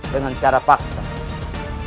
dengan cara yang tidak berhubungan dengan raja kecil